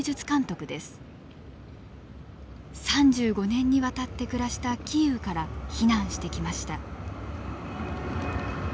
３５年にわたって暮らしたキーウから避難してきました。